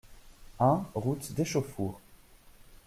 un route d'Échauffour